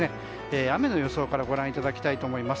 雨の予想からご覧いただきたいと思います。